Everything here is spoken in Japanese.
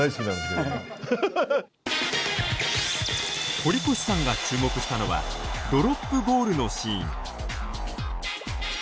堀越さんが注目したのはドロップゴールのシーン。